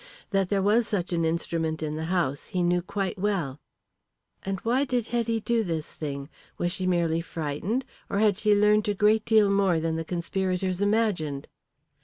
That there was such an instrument in the house he knew quite well. And why did Hetty Lawrence do this thing? Was she merely frightened, or had she learnt a great deal more than the conspirators imagined?